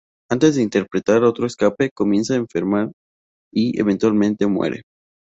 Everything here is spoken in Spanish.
Antes de intentar otro escape, comienza a enfermar y eventualmente muere.